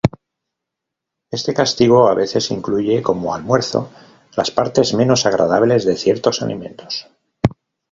Este castigo a veces incluye como almuerzo las partes menos agradables de ciertos alimentos.